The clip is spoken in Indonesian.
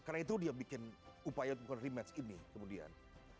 karena itu dia bikin upaya untuk rematch ini kemudian